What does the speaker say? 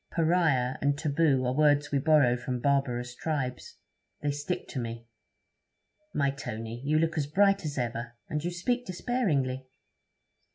"Pariah" and "taboo" are words we borrow from barbarous tribes; they stick to me.' 'My Tony, you look as bright as ever, and you speak despairingly.'